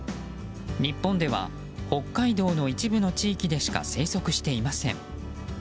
日本では北海道の一部の地域でしか生息していません。